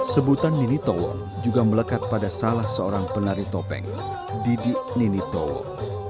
sebutan nini tolong juga melekat pada salah seorang penari topeng didik nini tolong